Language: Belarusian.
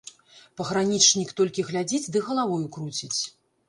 Пагранічнік толькі глядзіць ды галавою круціць.